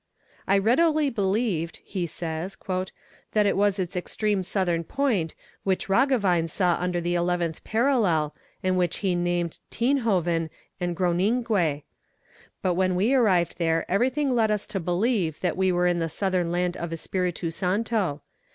"I readily believed," he says, "that it was its extreme southern point which Roggewein saw under the eleventh parallel, and which he named Tienhoven and Groningue. But when we arrived there everything led us to believe that we were in the southern land of Espiritu Santo.